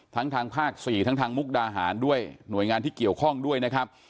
ทางภาค๔ทั้งทางมุกดาหารด้วยหน่วยงานที่เกี่ยวข้องด้วยนะครับ